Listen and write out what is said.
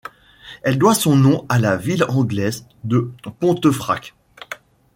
Elle doit son nom à la ville anglaise de Pontefract.